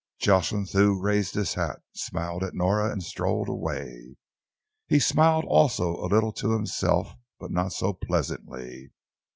Jocelyn Thew raised his hat, smiled at Nora and strolled away. He smiled also a little to himself, but not so pleasantly.